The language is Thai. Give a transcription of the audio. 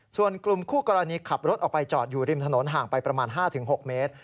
ส่วนกลุ่มคู่กรณีขับรถออกไปจอดอยู่ริมถนนห่างไปประมาณ๕๖เมตร